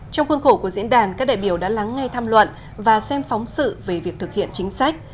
trong khuôn khổ của diễn đàn các đại biểu đã lắng ngay tham luận và xem phóng sự về việc thực hiện chính sách